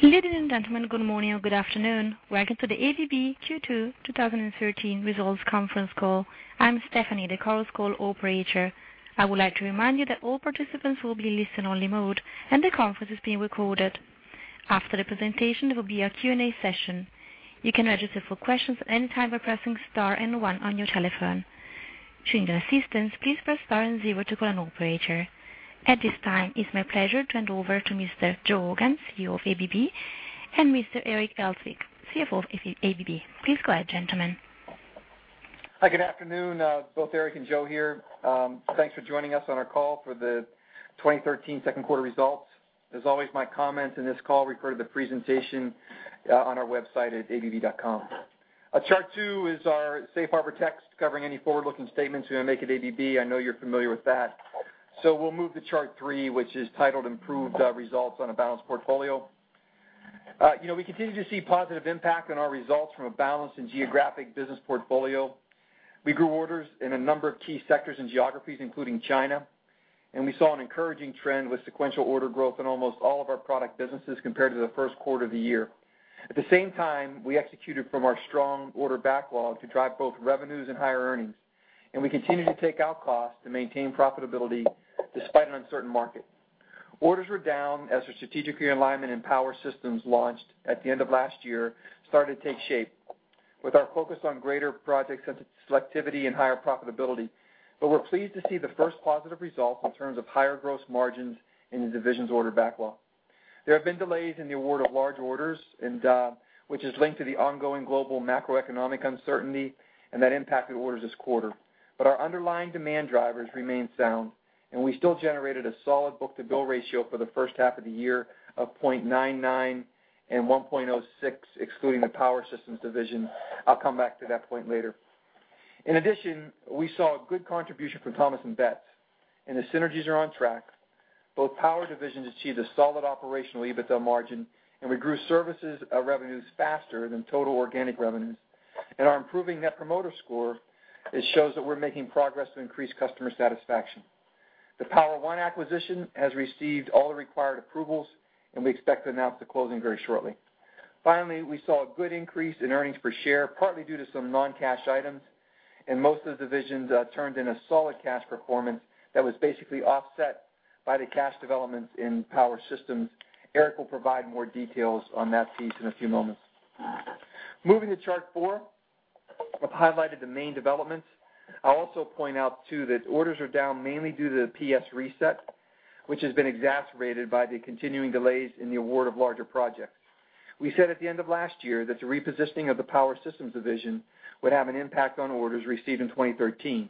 Ladies and gentlemen, good morning or good afternoon. Welcome to the ABB Q2 2013 Results Conference Call. I'm Stephanie, the conference call operator. I would like to remind you that all participants will be in listen-only mode, and the conference is being recorded. After the presentation, there will be a Q&A session. You can register for questions anytime by pressing star and one on your telephone. To ensure assistance, please press star and zero to call an operator. At this time, it's my pleasure to hand over to Mr. Joe Hogan, CEO of ABB, and Mr. Eric Elzvik, CFO of ABB. Please go ahead, gentlemen. Hi, good afternoon. Both Eric and Joe here. Thanks for joining us on our call for the 2013 second quarter results. As always, my comments on this call refer to the presentation on our website at abb.com. Chart two is our safe harbor text covering any forward-looking statements we may make at ABB. I know you're familiar with that. We'll move to chart three, which is titled Improved Results on a Balanced Portfolio. We continue to see positive impact on our results from a balanced and geographic business portfolio. We grew orders in a number of key sectors and geographies, including China, and we saw an encouraging trend with sequential order growth in almost all of our product businesses compared to the first quarter of the year. At the same time, we executed from our strong order backlog to drive both revenues and higher earnings, and we continue to take out costs to maintain profitability despite an uncertain market. Orders were down as our strategic realignment and Power Systems launched at the end of last year started to take shape, with our focus on greater project selectivity and higher profitability. We're pleased to see the first positive results in terms of higher gross margins in the division's order backlog. There have been delays in the award of large orders which is linked to the ongoing global macroeconomic uncertainty and that impacted orders this quarter. Our underlying demand drivers remain sound, and we still generated a solid book-to-bill ratio for the first half of the year of 0.99 and 1.06, excluding the Power Systems division. I'll come back to that point later. In addition, we saw a good contribution from Thomas & Betts, and the synergies are on track. Both power divisions achieved a solid Operational EBITDA margin, and we grew services revenues faster than total organic revenues. Our improving net promoter score shows that we're making progress to increase customer satisfaction. The Power-One acquisition has received all the required approvals, and we expect to announce the closing very shortly. Finally, we saw a good increase in earnings per share, partly due to some non-cash items, and most of the divisions turned in a solid cash performance that was basically offset by the cash developments in Power Systems. Eric will provide more details on that piece in a few moments. Moving to chart four, I've highlighted the main developments. I'll also point out too, that orders are down mainly due to the PS reset, which has been exacerbated by the continuing delays in the award of larger projects. We said at the end of last year that the repositioning of the Power Systems division would have an impact on orders received in 2013,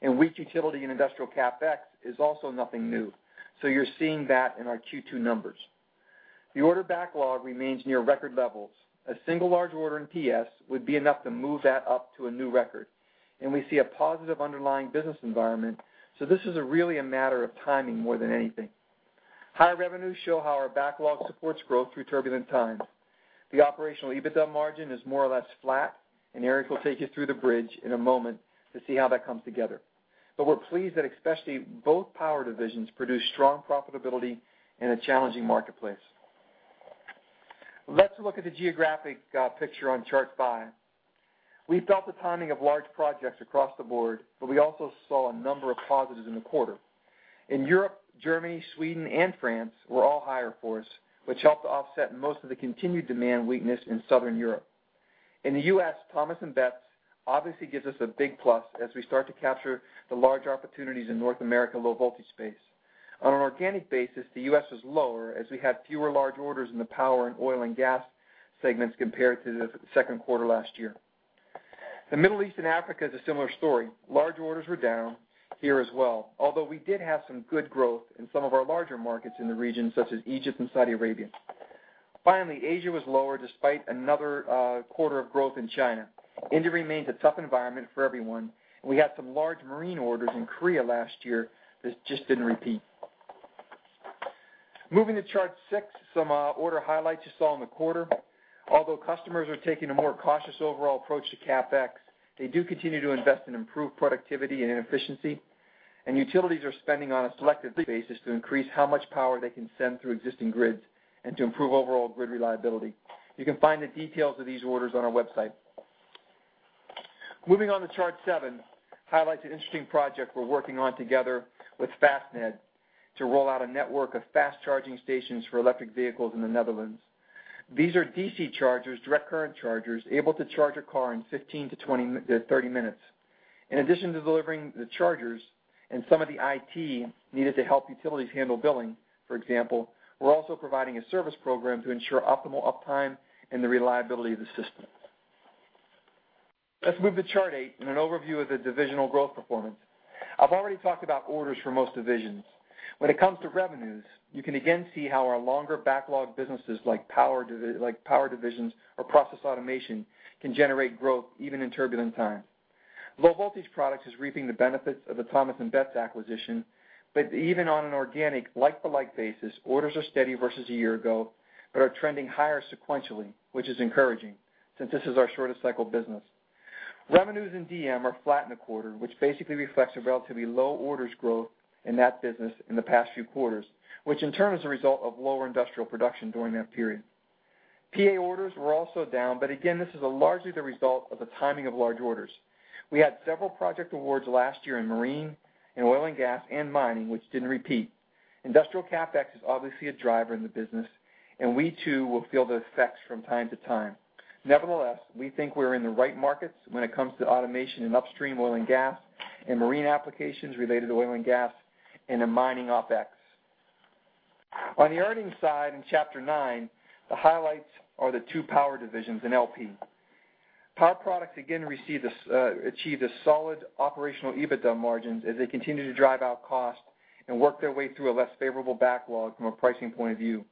and weak utility and industrial CapEx is also nothing new. You're seeing that in our Q2 numbers. The order backlog remains near record levels. A single large order in PS would be enough to move that up to a new record. We see a positive underlying business environment, this is really a matter of timing more than anything. High revenues show how our backlog supports growth through turbulent times. The Operational EBITDA margin is more or less flat, Eric will take you through the bridge in a moment to see how that comes together. We're pleased that especially both power divisions produce strong profitability in a challenging marketplace. Let's look at the geographic picture on chart five. We felt the timing of large projects across the board, we also saw a number of positives in the quarter. In Europe, Germany, Sweden, and France were all higher for us, which helped to offset most of the continued demand weakness in Southern Europe. In the U.S., Thomas & Betts obviously gives us a big plus as we start to capture the large opportunities in North America low-voltage space. On an organic basis, the U.S. is lower as we had fewer large orders in the power and oil and gas segments compared to the second quarter last year. The Middle East and Africa is a similar story. Large orders were down here as well, although we did have some good growth in some of our larger markets in the region, such as Egypt and Saudi Arabia. Finally, Asia was lower despite another quarter of growth in China. India remains a tough environment for everyone, we had some large marine orders in Korea last year that just didn't repeat. Moving to chart six, some order highlights you saw in the quarter. Although customers are taking a more cautious overall approach to CapEx, they do continue to invest in improved productivity and efficiency, utilities are spending on a selective basis to increase how much power they can send through existing grids and to improve overall grid reliability. You can find the details of these orders on our website. Moving on to chart seven, highlights an interesting project we're working on together with Fastned to roll out a network of fast-charging stations for electric vehicles in the Netherlands. These are DC chargers, direct current chargers, able to charge a car in 15 to 30 minutes. In addition to delivering the chargers and some of the IT needed to help utilities handle billing, for example, we're also providing a service program to ensure optimal uptime and the reliability of the system. Let's move to chart eight and an overview of the divisional growth performance. I've already talked about orders for most divisions. When it comes to revenues, you can again see how our longer backlog businesses like Power divisions or Process Automation can generate growth even in turbulent times. Low Voltage Products is reaping the benefits of the Thomas & Betts acquisition, but even on an organic like-for-like basis, orders are steady versus a year ago but are trending higher sequentially, which is encouraging since this is our shortest cycle business. Revenues in DM are flat in the quarter, which basically reflects a relatively low orders growth in that business in the past few quarters, which in turn is a result of lower industrial production during that period. PA orders were also down, but again, this is largely the result of the timing of large orders. We had several project awards last year in marine, in oil and gas, and mining, which didn't repeat. Industrial CapEx is obviously a driver in the business, and we too will feel the effects from time to time. Nevertheless, we think we're in the right markets when it comes to automation in upstream oil and gas, and marine applications related to oil and gas, and in mining OpEx. On the earnings side in chapter nine, the highlights are the two power divisions in LP. Power Products again achieved a solid Operational EBITDA margins as they continue to drive out cost and work their way through a less favorable backlog from a pricing point of view.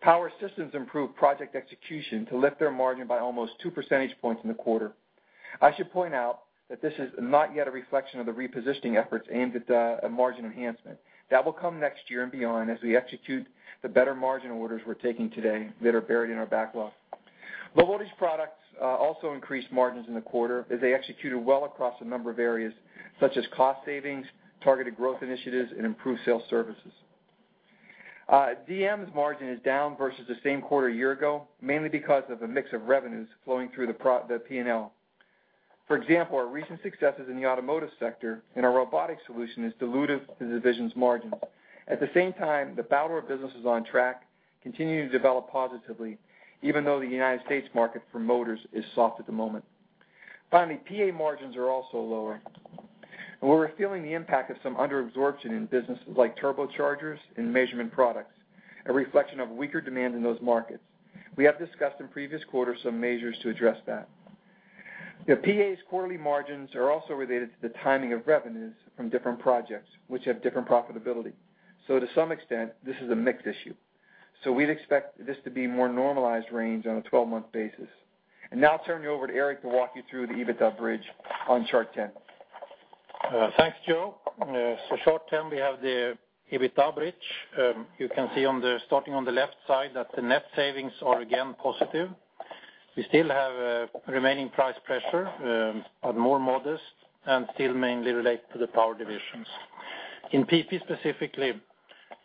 Power Systems improved project execution to lift their margin by almost two percentage points in the quarter. I should point out that this is not yet a reflection of the repositioning efforts aimed at margin enhancement. That will come next year and beyond as we execute the better margin orders we're taking today that are buried in our backlog. Low Voltage Products also increased margins in the quarter as they executed well across a number of areas such as cost savings, targeted growth initiatives, and improved sales services. DM's margin is down versus the same quarter a year ago, mainly because of a mix of revenues flowing through the P&L. For example, our recent successes in the automotive sector and our robotic solution has diluted the division's margins. At the same time, the Baldor business is on track, continuing to develop positively, even though the U.S. market for motors is soft at the moment. Finally, PA margins are also lower, and we're feeling the impact of some under absorption in businesses like turbochargers and measurement products, a reflection of weaker demand in those markets. We have discussed in previous quarters some measures to address that. The PA's quarterly margins are also related to the timing of revenues from different projects, which have different profitability. To some extent, this is a mixed issue. We'd expect this to be more normalized range on a 12-month basis. Now I'll turn you over to Eric to walk you through the EBITDA bridge on chart 10. Thanks, Joe. Chart 10, we have the EBITDA bridge. You can see starting on the left side that the net savings are again positive. We still have remaining price pressure, but more modest, and still mainly relate to the power divisions. In PP specifically,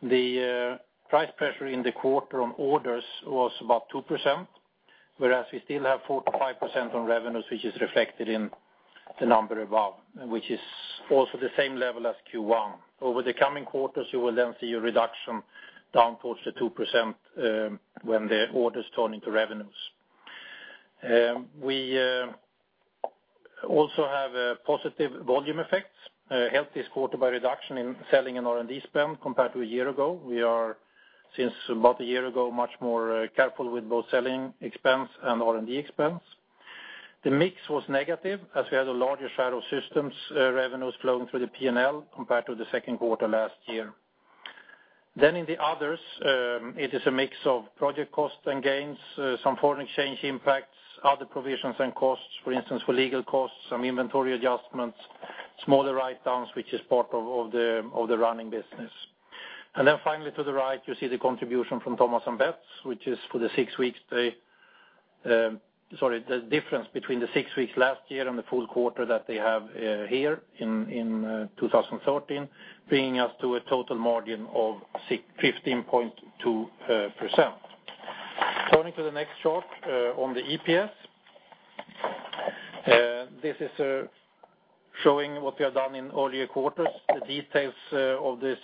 the price pressure in the quarter on orders was about 2%, whereas we still have 45% on revenues, which is reflected in the number above, which is also the same level as Q1. Over the coming quarters, you will see a reduction down towards the 2% when the orders turn into revenues. We also have positive volume effects, helped this quarter by reduction in selling and R&D spend compared to a year ago. We are, since about a year ago, much more careful with both selling expense and R&D expense. The mix was negative as we had larger Power Systems revenues flowing through the P&L compared to the second quarter last year. In the others, it is a mix of project costs and gains, some foreign exchange impacts, other provisions and costs, for instance, for legal costs, some inventory adjustments, smaller write-downs, which is part of the running business. Finally, to the right, you see the contribution from Thomas & Betts, which is for the six weeks, sorry, the difference between the six weeks last year and the full quarter that they have here in 2013, bringing us to a total margin of 15.2%. Turning to the next chart on the EPS. This is showing what we have done in all year quarters, the details of these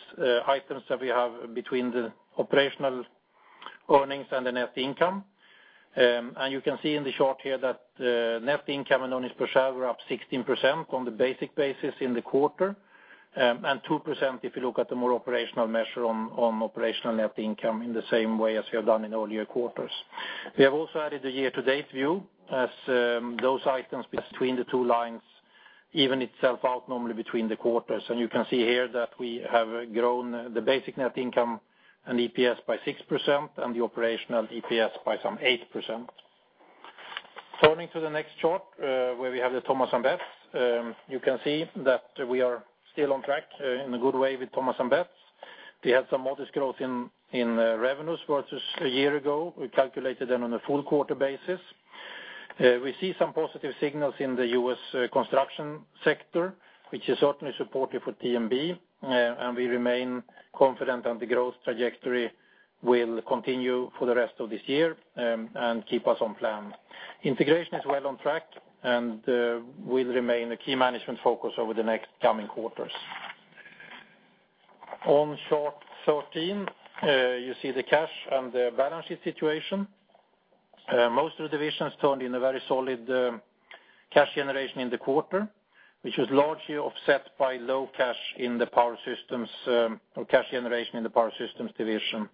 items that we have between the operational earnings and the net income. You can see in the chart here that net income and earnings per share were up 16% on the basic basis in the quarter, and 2% if you look at the more operational measure on operational net income in the same way as we have done in all year quarters. We have also added a year-to-date view as those items between the two lines even itself out normally between the quarters. You can see here that we have grown the basic net income and EPS by 6% and the operational EPS by some 8%. Turning to the next chart, where we have the Thomas & Betts. You can see that we are still on track in a good way with Thomas & Betts. We had some modest growth in revenues versus a year ago. We calculated them on a full quarter basis. We see some positive signals in the U.S. construction sector, which is certainly supportive for T&B, and we remain confident that the growth trajectory will continue for the rest of this year and keep us on plan. Integration is well on track and will remain a key management focus over the next coming quarters. On chart 13, you see the cash and the balance sheet situation. Most of the divisions turned in a very solid cash generation in the quarter, which was largely offset by low cash in the Power Systems, or cash generation in the Power Systems division.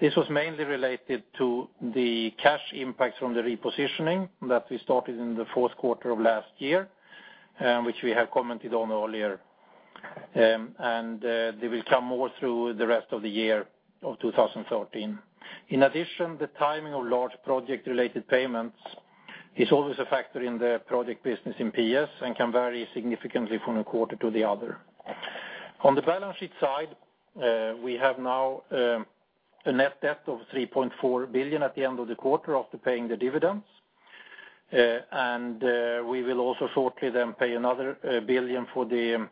This was mainly related to the cash impacts from the repositioning that we started in the fourth quarter of last year, which we have commented on earlier, and they will come more through the rest of the year of 2013. The timing of large project-related payments is always a factor in the project business in PS and can vary significantly from a quarter to the other. On the balance sheet side, we have now a net debt of $3.4 billion at the end of the quarter after paying the dividends. We will also shortly pay another $1 billion for the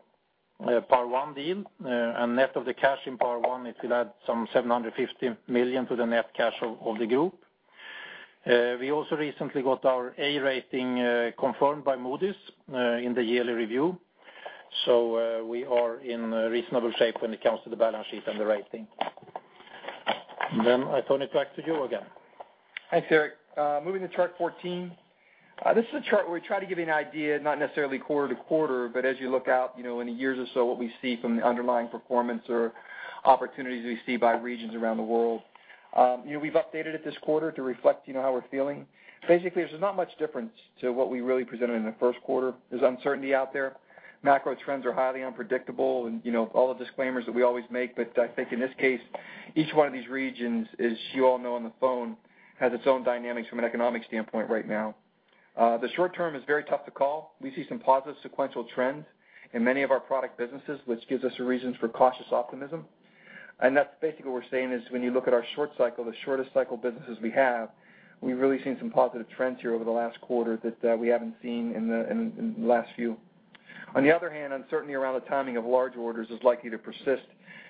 Power-One deal. Net of the cash in Power-One, it will add some $750 million to the net cash of the group. We also recently got our A rating confirmed by Moody's in the yearly review. We are in reasonable shape when it comes to the balance sheet and the rating. I turn it back to Joe again. Thanks, Eric. Moving to chart 14. This is a chart where we try to give you an idea, not necessarily quarter to quarter, but as you look out, in a year or so, what we see from the underlying performance or opportunities we see by regions around the world. We've updated it this quarter to reflect how we're feeling. Basically, there's not much difference to what we really presented in the first quarter. There's uncertainty out there. Macro trends are highly unpredictable and all the disclaimers that we always make. I think in this case, each one of these regions, as you all know on the phone, has its own dynamics from an economic standpoint right now. The short term is very tough to call. We see some positive sequential trends in many of our product businesses, which gives us reasons for cautious optimism. That's basically what we're saying is when you look at our short cycle, the shortest cycle businesses we have, we've really seen some positive trends here over the last quarter that we haven't seen in the last few. On the other hand, uncertainty around the timing of large orders is likely to persist,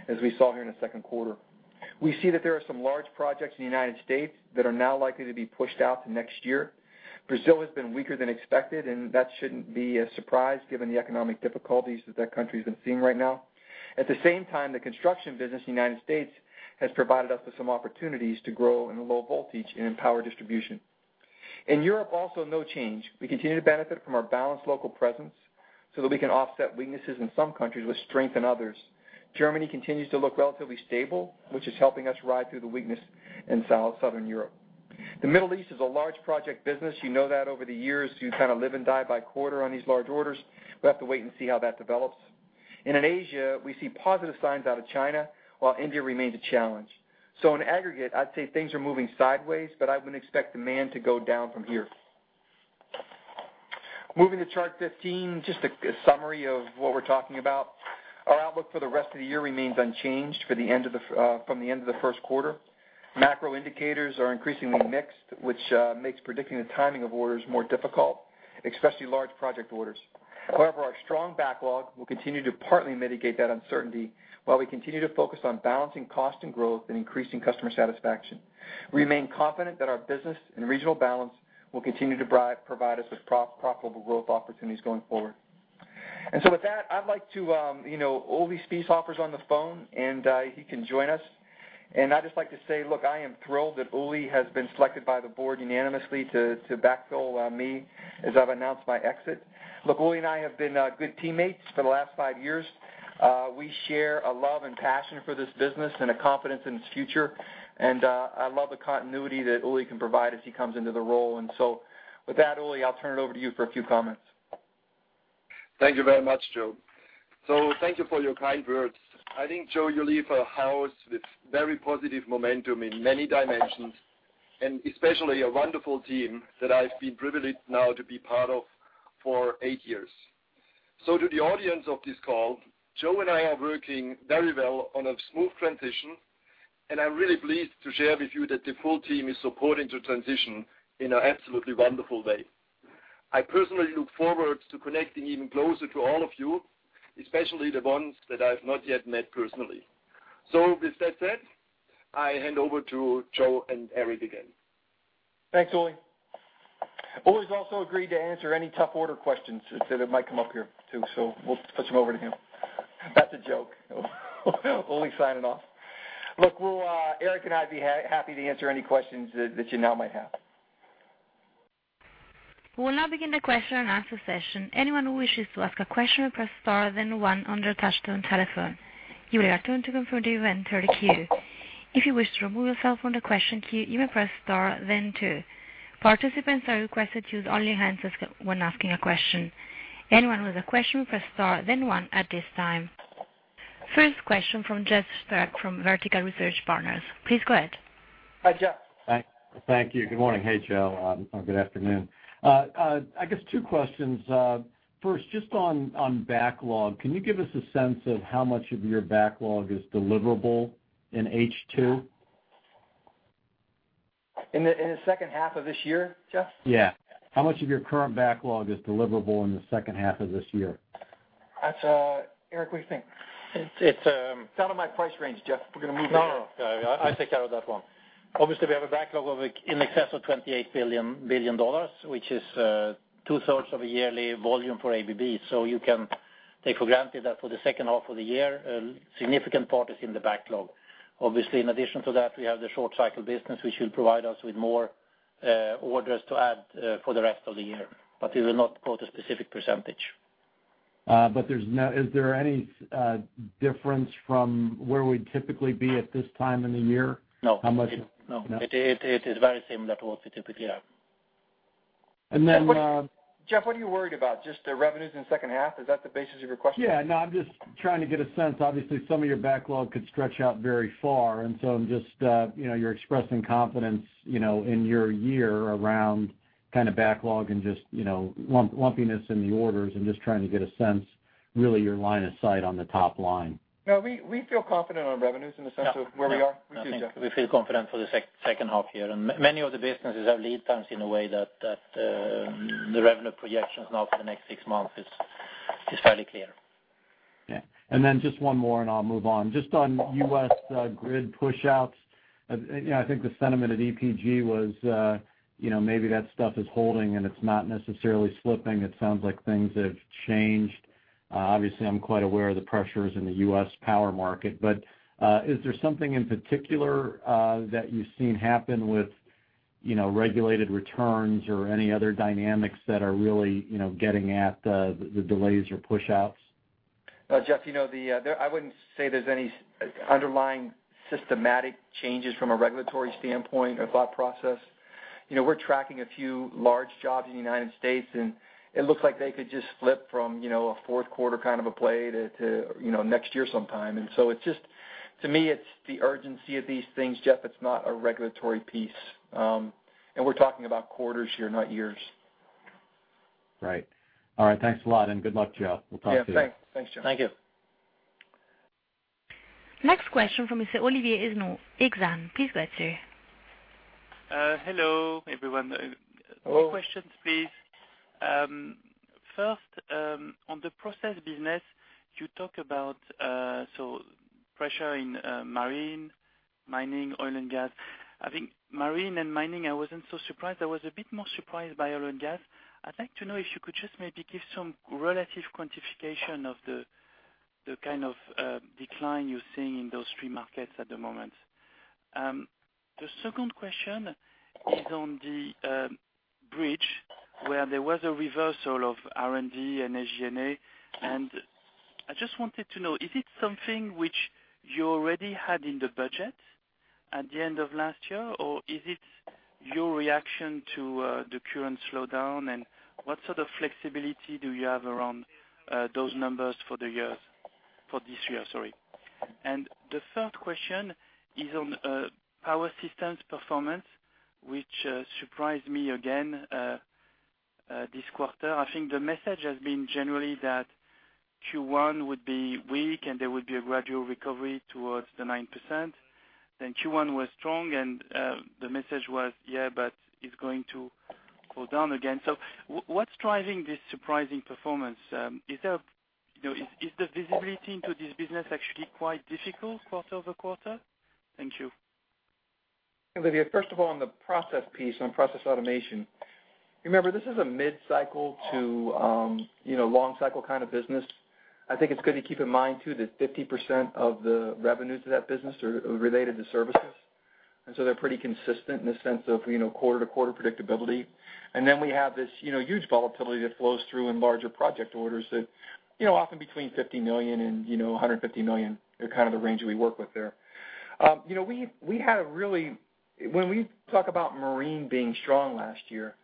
as we saw here in the second quarter. We see that there are some large projects in the United States that are now likely to be pushed out to next year. Brazil has been weaker than expected. That shouldn't be a surprise given the economic difficulties that that country's been seeing right now. At the same time, the construction business in the United States has provided us with some opportunities to grow in the low voltage and in power distribution. In Europe, also, no change. We continue to benefit from our balanced local presence that we can offset weaknesses in some countries with strength in others. Germany continues to look relatively stable, which is helping us ride through the weakness in Southern Europe. The Middle East is a large project business. You know that over the years, you kind of live and die by quarter on these large orders. We have to wait and see how that develops. In Asia, we see positive signs out of China, while India remains a challenge. In aggregate, I'd say things are moving sideways. I wouldn't expect demand to go down from here. Moving to chart 15, just a summary of what we're talking about. Our outlook for the rest of the year remains unchanged from the end of the first quarter. Macro indicators are increasingly mixed, which makes predicting the timing of orders more difficult, especially large project orders. However, our strong backlog will continue to partly mitigate that uncertainty while we continue to focus on balancing cost and growth and increasing customer satisfaction. We remain confident that our business and regional balance will continue to provide us with profitable growth opportunities going forward. With that, I'd like to, Ulrich Spiesshofer is on the phone, and he can join us. I'd just like to say, look, I am thrilled that Ulrich has been selected by the board unanimously to backfill me as I've announced my exit. Look, Ulrich and I have been good teammates for the last five years. We share a love and passion for this business and a confidence in its future, and I love the continuity that Ulrich can provide as he comes into the role. With that, Ulrich, I'll turn it over to you for a few comments. Thank you very much, Joe. Thank you for your kind words. I think, Joe, you leave a house with very positive momentum in many dimensions, and especially a wonderful team that I've been privileged now to be part of for eight years. To the audience of this call, Joe and I are working very well on a smooth transition, and I'm really pleased to share with you that the full team is supporting the transition in an absolutely wonderful way. I personally look forward to connecting even closer to all of you, especially the ones that I've not yet met personally. With that said, I hand over to Joe and Eric again. Thanks, Ulrich. Ulrich is also agreed to answer any tough order questions that might come up here, too, so we'll push them over to him. That's a joke. Ulrich is signing off. Look, Eric and I would be happy to answer any questions that you now might have. We'll now begin the question and answer session. Anyone who wishes to ask a question will press star then one on their touch-tone telephone. You will hear a tone to confirm that you've entered the queue. If you wish to remove yourself from the question queue, you may press star then two. Participants are requested to use only their hands when asking a question. Anyone with a question will press star then one at this time. First question from Jeff Sprague from Vertical Research Partners. Please go ahead. Hi, Jeff. Thank you. Good morning. Hey, Joe. Good afternoon. I guess two questions. First, just on backlog, can you give us a sense of how much of your backlog is deliverable in H2? In the second half of this year, Jeff? Yeah. How much of your current backlog is deliverable in the second half of this year? Eric, what do you think? It's- It's out of my price range, Jeff. We're going to move to. No. I take care of that one. Obviously, we have a backlog of in excess of $28 billion, which is two-thirds of a yearly volume for ABB. You can take for granted that for the second half of the year, a significant part is in the backlog. Obviously, in addition to that, we have the short cycle business, which will provide us with more orders to add for the rest of the year, but we will not quote a specific percentage. Is there any difference from where we'd typically be at this time in the year? No. How much- No. No? It is very same level as we typically have. Then- Jeff, what are you worried about? Just the revenues in the second half? Is that the basis of your question? Yeah. No, I'm just trying to get a sense. Obviously, some of your backlog could stretch out very far, and so I'm just, you're expressing confidence in your year around backlog and just lumpiness in the orders and just trying to get a sense Really your line of sight on the top line. No, we feel confident on revenues in the sense of where we are. Yeah. I think we feel confident for the second half year. Many of the businesses have lead times in a way that the revenue projections now for the next 6 months is fairly clear. Just one more, I'll move on. Just on U.S. grid push-outs, I think the sentiment at EPG was maybe that stuff is holding and it's not necessarily slipping. It sounds like things have changed. Obviously, I'm quite aware of the pressures in the U.S. power market, is there something in particular that you've seen happen with regulated returns or any other dynamics that are really getting at the delays or push-outs? Jeff, I wouldn't say there's any underlying systematic changes from a regulatory standpoint or thought process. We're tracking a few large jobs in the U.S., it looks like they could just flip from a fourth quarter play to next year sometime. To me, it's the urgency of these things, Jeff. It's not a regulatory piece. We're talking about quarters here, not years. Right. All right. Thanks a lot and good luck, Joe. We'll talk to you. Yeah, thanks. Thanks, Jeff. Thank you. Next question from Mr. Olivier Esnou, Exane. Please go through. Hello, everyone. Hello. Two questions, please. First, on the process business, you talk about pressure in marine, mining, oil and gas. I think marine and mining, I wasn't so surprised. I was a bit more surprised by oil and gas. I'd like to know if you could just maybe give some relative quantification of the kind of decline you're seeing in those three markets at the moment. The second question is on the bridge where there was a reversal of R&D and SG&A, I just wanted to know, is it something which you already had in the budget at the end of last year, or is it your reaction to the current slowdown, and what sort of flexibility do you have around those numbers for this year? The third question is on Power Systems performance, which surprised me again this quarter. I think the message has been generally that Q1 would be weak and there would be a gradual recovery towards the 9%. Q1 was strong, the message was, it's going to go down again. What's driving this surprising performance? Is the visibility into this business actually quite difficult quarter-over-quarter? Thank you. Olivier, first of all, on the process piece, on process automation, remember, this is a mid-cycle to long-cycle kind of business. I think it's good to keep in mind, too, that 50% of the revenues of that business are related to services, they're pretty consistent in the sense of quarter-to-quarter predictability. We have this huge volatility that flows through in larger project orders that often between $50 million and $150 million, they're kind of the range that we work with there. When we talk about marine being strong last year,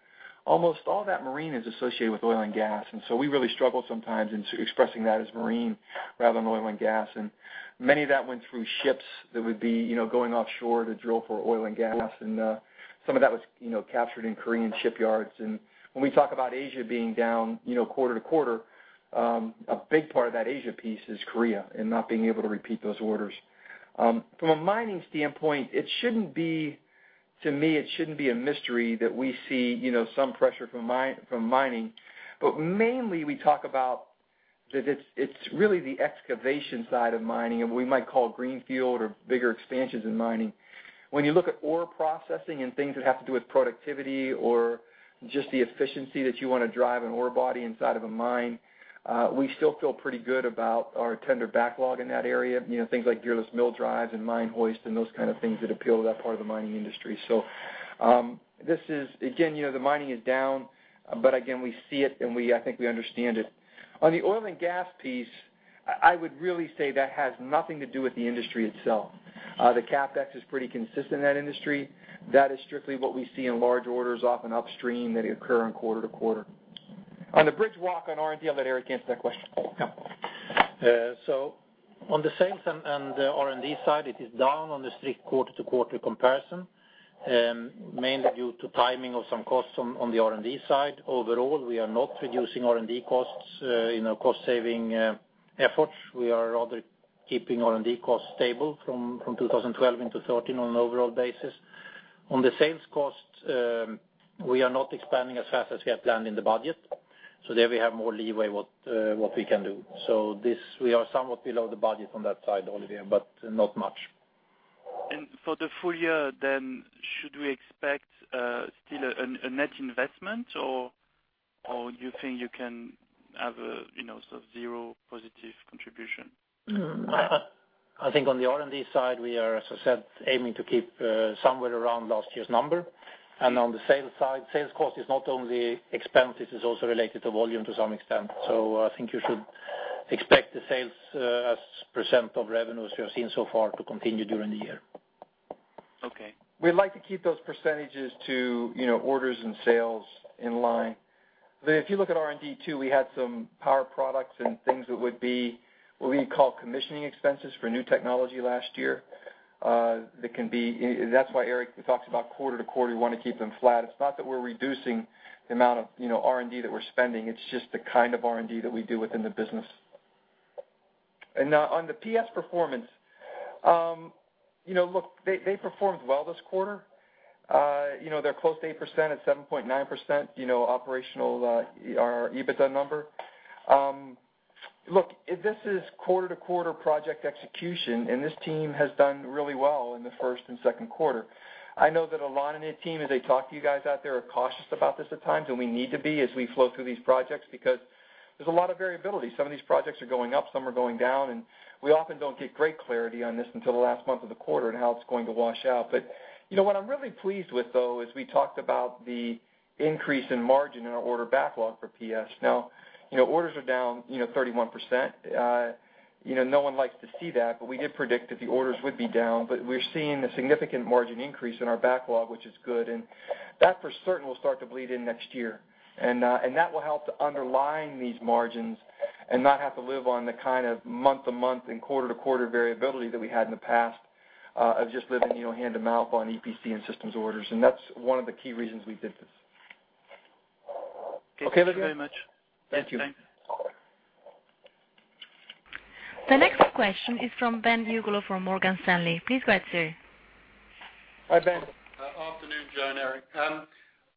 almost all that marine is associated with oil and gas, we really struggle sometimes in expressing that as marine rather than oil and gas. Many of that went through ships that would be going offshore to drill for oil and gas, and some of that was captured in Korean shipyards. When we talk about Asia being down quarter-to-quarter, a big part of that Asia piece is Korea and not being able to repeat those orders. From a mining standpoint, to me, it shouldn't be a mystery that we see some pressure from mining. Mainly, we talk about that it's really the excavation side of mining and we might call greenfield or bigger expansions in mining. When you look at ore processing and things that have to do with productivity or just the efficiency that you want to drive an ore body inside of a mine, we still feel pretty good about our tender backlog in that area. Things like gearless mill drives and mine hoist and those kind of things that appeal to that part of the mining industry. Again, the mining is down, we see it and I think we understand it. On the oil and gas piece, I would really say that has nothing to do with the industry itself. The CapEx is pretty consistent in that industry. That is strictly what we see in large orders, often upstream, that occur quarter-to-quarter. On the bridge walk on R&D, I'll let Eric answer that question. On the sales and R&D side, it is down on the strict quarter-to-quarter comparison, mainly due to timing of some costs on the R&D side. Overall, we are not reducing R&D costs in our cost saving efforts. We are rather keeping R&D costs stable from 2012 into 2013 on an overall basis. On the sales cost, we are not expanding as fast as we had planned in the budget. There we have more leeway what we can do. We are somewhat below the budget on that side, Olivier, but not much. For the full year, then, should we expect still a net investment, or you think you can have a sort of zero positive contribution? I think on the R&D side, we are, as I said, aiming to keep somewhere around last year's number. On the sales side, sales cost is not only expense, it is also related to volume to some extent. I think you should expect the sales as % of revenues we have seen so far to continue during the year. Okay. We'd like to keep those percentages to orders and sales in line. If you look at R&D, too, we had some Power Products and things that would be what we call commissioning expenses for new technology last year. That can be, that's why Eric talks about quarter-to-quarter, you want to keep them flat. It's not that we're reducing the amount of R&D that we're spending, it's just the kind of R&D that we do within the business. On the PS performance. Look, they performed well this quarter. They're close to 8% at 7.9% operational, our EBITDA number. Look, this is quarter-to-quarter project execution, and this team has done really well in the first and second quarter. I know that Alanna and her team, as they talk to you guys out there, are cautious about this at times, and we need to be as we flow through these projects because there's a lot of variability. Some of these projects are going up, some are going down, and we often don't get great clarity on this until the last month of the quarter and how it's going to wash out. What I'm really pleased with, though, is we talked about the increase in margin in our order backlog for PS. Orders are down 31%. No one likes to see that, we did predict that the orders would be down. We're seeing a significant margin increase in our backlog, which is good, and that for certain will start to bleed in next year. That will help to underline these margins and not have to live on the kind of month-to-month and quarter-to-quarter variability that we had in the past of just living hand-to-mouth on EPC and systems orders. That's one of the key reasons we did this. Okay. Thank you very much. Thank you. Thanks. The next question is from Ben Uglow from Morgan Stanley. Please go ahead, sir. Hi, Ben. Afternoon, Joe and Eric.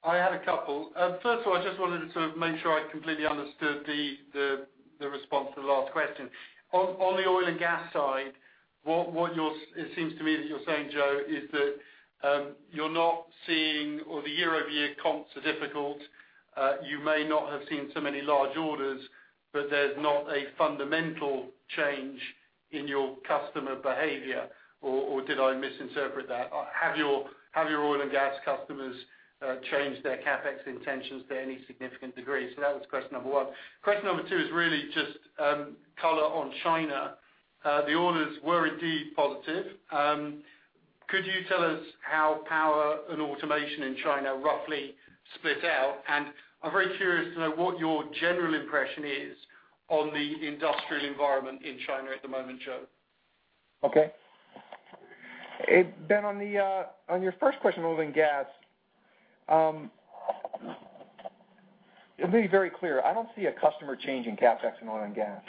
I had a couple. First of all, I just wanted to make sure I completely understood the response to the last question. On the oil and gas side, it seems to me that you're saying, Joe, is that you're not seeing, or the year-over-year comps are difficult. You may not have seen so many large orders, but there's not a fundamental change in your customer behavior, or did I misinterpret that? Have your oil and gas customers changed their CapEx intentions to any significant degree? That was question number one. Question number two is really just color on China. The orders were indeed positive. Could you tell us how power and automation in China roughly split out? I'm very curious to know what your general impression is on the industrial environment in China at the moment, Joe. Okay. Ben, on your first question on oil and gas. Let me be very clear. I don't see a customer change in CapEx in oil and gas.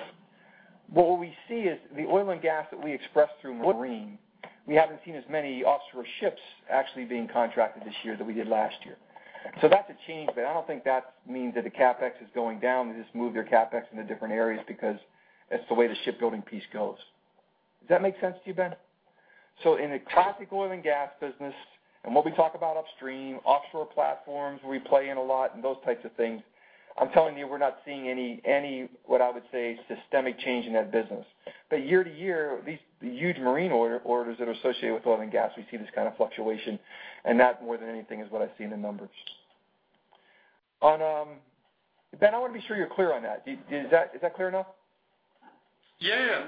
What we see is the oil and gas that we express through marine, we haven't seen as many offshore ships actually being contracted this year that we did last year. That's a change, but I don't think that means that the CapEx is going down. They just moved their CapEx into different areas because that's the way the shipbuilding piece goes. Does that make sense to you, Ben? In a classic oil and gas business, and what we talk about upstream, offshore platforms where we play in a lot and those types of things, I'm telling you we're not seeing any, what I would say, systemic change in that business. Year to year, these huge marine orders that are associated with oil and gas, we see this kind of fluctuation, and that more than anything is what I see in the numbers. Ben, I want to be sure you're clear on that. Is that clear enough? Yeah.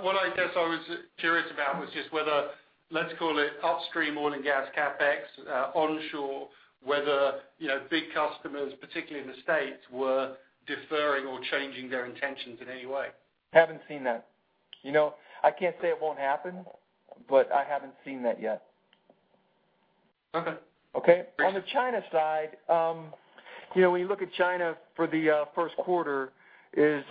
What I guess I was curious about was just whether, let's call it upstream oil and gas CapEx onshore, whether big customers, particularly in the U.S., were deferring or changing their intentions in any way. Haven't seen that. I can't say it won't happen, but I haven't seen that yet. Okay. Okay. On the China side, when you look at China for the first quarter. If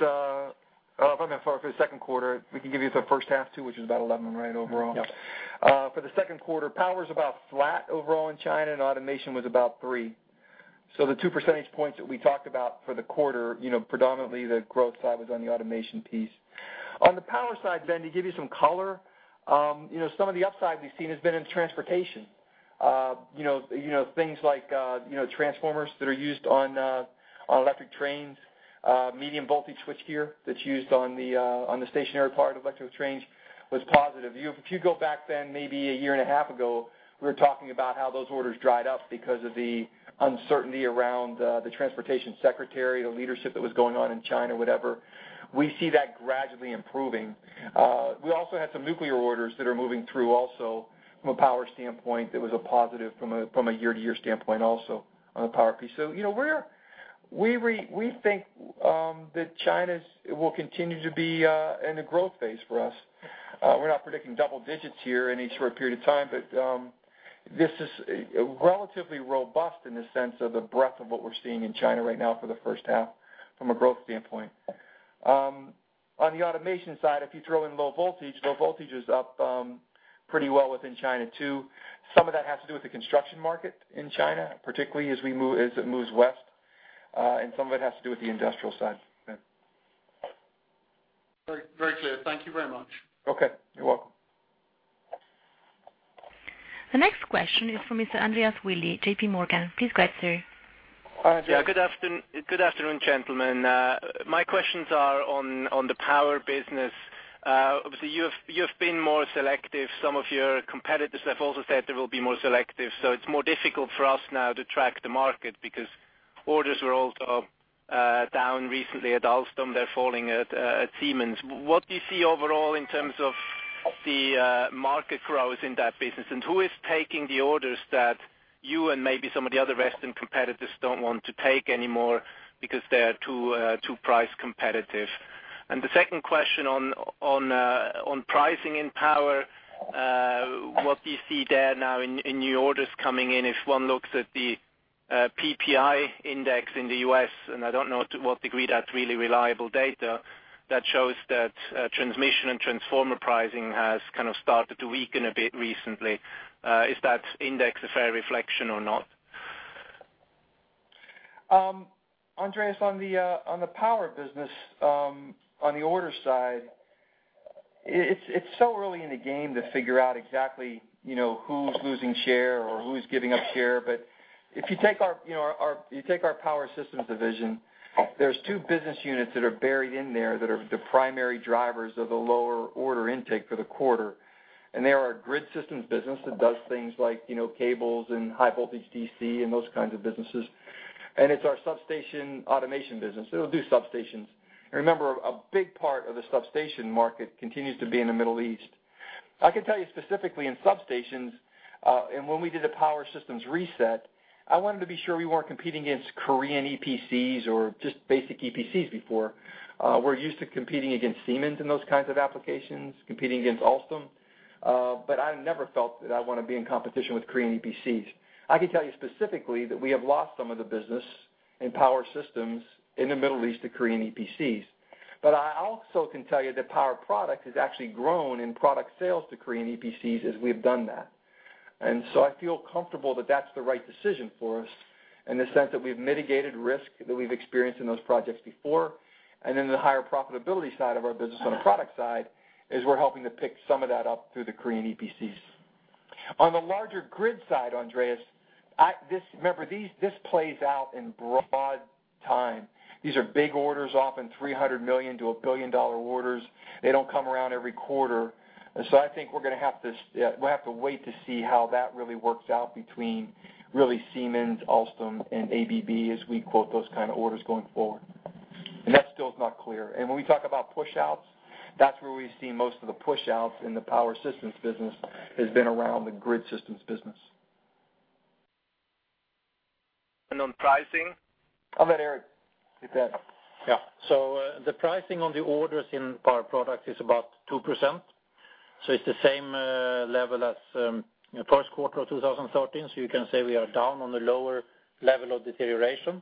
I'm going to talk for the second quarter, we can give you the first half too, which is about 11, right, overall? Yeah. For the second quarter, power's about flat overall in China, and automation was about three. The two percentage points that we talked about for the quarter predominantly the growth side was on the automation piece. On the power side, Ben, to give you some color, some of the upside we've seen has been in transportation. Things like transformers that are used on electric trains, medium voltage switchgear that's used on the stationary part of electric trains was positive. If you go back then maybe a year and a half ago, we were talking about how those orders dried up because of the uncertainty around the Transportation Secretary, the leadership that was going on in China, whatever. We see that gradually improving. We also had some nuclear orders that are moving through also from a power standpoint that was a positive from a year-to-year standpoint also on the power piece. We think that China will continue to be in a growth phase for us. We're not predicting double digits here any short period of time, but this is relatively robust in the sense of the breadth of what we're seeing in China right now for the first half from a growth standpoint. On the automation side, if you throw in Low Voltage, Low Voltage is up pretty well within China too. Some of that has to do with the construction market in China, particularly as it moves west, and some of it has to do with the industrial side, Ben. Very clear. Thank you very much. Okay. You're welcome. The next question is from Mr. Andreas Willi, J.P. Morgan. Please go ahead, sir. Hi, Andreas. Good afternoon, gentlemen. My questions are on the power business. Obviously, you have been more selective. Some of your competitors have also said they will be more selective, so it's more difficult for us now to track the market because orders were also down recently at Alstom. They're falling at Siemens. What do you see overall in terms of the market growth in that business, and who is taking the orders that you and maybe some of the other Western competitors don't want to take anymore because they are too price competitive? The second question on pricing in power, what do you see there now in new orders coming in? If one looks at the PPI index in the U.S., and I don't know to what degree that's really reliable data, that shows that transmission and transformer pricing has kind of started to weaken a bit recently. Is that index a fair reflection or not? Andreas, on the power business, on the order side, it's so early in the game to figure out exactly who's losing share or who's giving up share. If you take our Power Systems division, there's two business units that are buried in there that are the primary drivers of the lower order intake for the quarter, they are our Grid Systems business that does things like cables and high voltage DC and those kinds of businesses, and it's our substation automation business. It'll do substations. Remember, a big part of the substation market continues to be in the Middle East. I can tell you specifically in substations, and when we did a Power Systems reset, I wanted to be sure we weren't competing against Korean EPCs or just basic EPCs before. We're used to competing against Siemens in those kinds of applications, competing against Alstom, I never felt that I want to be in competition with Korean EPCs. I can tell you specifically that we have lost some of the business in Power Systems in the Middle East to Korean EPCs. I also can tell you that Power Product has actually grown in product sales to Korean EPCs as we've done that. I feel comfortable that that's the right decision for us in the sense that we've mitigated risk that we've experienced in those projects before, and then the higher profitability side of our business on the product side, is we're helping to pick some of that up through the Korean EPCs. On the larger grid side, Andreas, remember, this plays out in broad time. These are big orders, often $300 million-$1 billion orders. They don't come around every quarter. I think we're going to have to wait to see how that really works out between really Siemens, Alstom, and ABB as we quote those kind of orders going forward. That still is not clear. When we talk about push-outs, that's where we've seen most of the push-outs in the Power Systems business, has been around the Grid Systems business. On pricing? I'll let Eric take that. Yeah. The pricing on the orders in Power Products is about 2%. It's the same level as first quarter of 2013. You can say we are down on the lower level of deterioration,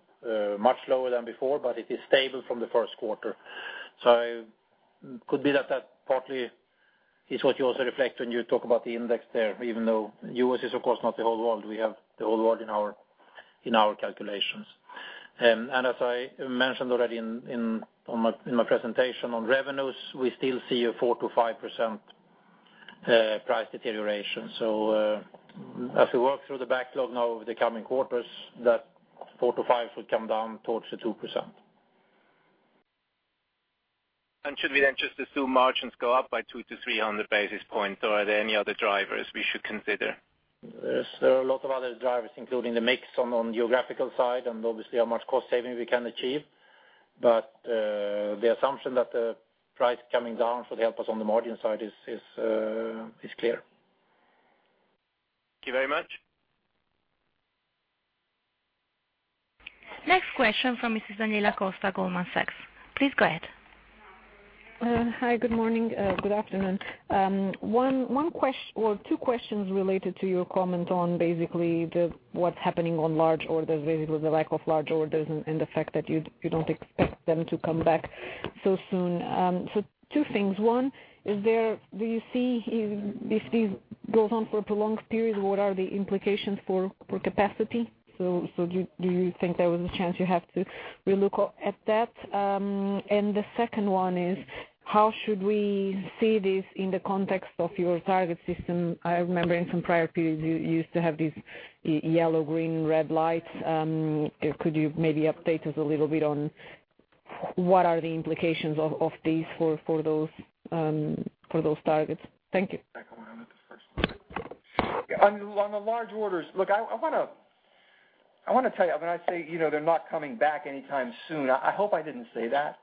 much lower than before, but it is stable from the first quarter. Could be that that partly is what you also reflect when you talk about the index there, even though U.S. is, of course, not the whole world. We have the whole world in our calculations. As I mentioned already in my presentation on revenues, we still see a 4%-5% price deterioration. As we work through the backlog now over the coming quarters, that 4%-5% will come down towards the 2%. Should we then just assume margins go up by 200-300 basis points? Are there any other drivers we should consider? There's a lot of other drivers, including the mix on geographical side and obviously how much cost saving we can achieve. The assumption that the price coming down should help us on the margin side is clear. Thank you very much. Next question from Mrs. Daniela Costa, Goldman Sachs. Please go ahead. Hi, good morning. Good afternoon. Two questions related to your comment on basically what's happening on large orders, with the lack of large orders and the fact that you don't expect them to come back so soon. Two things. One, if this goes on for a prolonged period, what are the implications for capacity? Do you think there was a chance you have to re-look at that? The second one is, how should we see this in the context of your target system? I remember in some prior periods, you used to have these yellow, green, red lights. Could you maybe update us a little bit on what are the implications of these for those targets? Thank you. Back around at the first one. On the large orders, look, I want to tell you, when I say they're not coming back anytime soon, I hope I didn't say that.